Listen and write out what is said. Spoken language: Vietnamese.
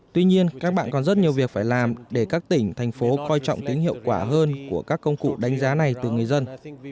tuy nhiên các bạn còn rất nhiều việc phải làm để các tỉnh thành phố coi trọng tính hiệu quả hơn của các công cụ đánh giá này từ người dân